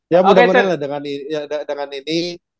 ya mudah mudahan lah dengan ini